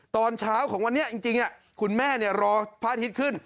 ตอนเช้าของวันนี้จริงคุณแม่รอพระอาทิตย์ขึ้น